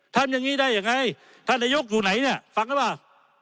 ท่านยังงี้ได้อย่างไรท่านนายกอยู่ไหนฟังไหมว่า